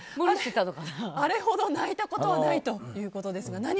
あれほど泣いたことはないということですが。